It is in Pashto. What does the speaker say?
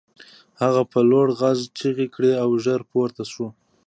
هغه په لوړ غږ چیغې کړې او ژر پورته شو